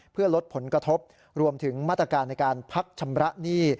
เพื่อลดผลกระทบรวมถึงมาตรการในการพักชำระหนี้